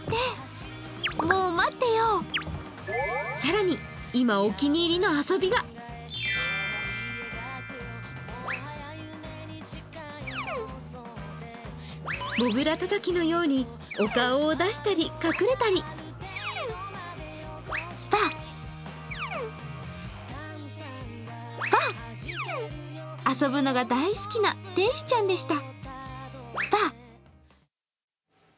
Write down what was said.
更に今、お気に入りの遊びがもぐらたたきのようにお顔を出したり隠れたり遊ぶのが大好きな天使ちゃんでした。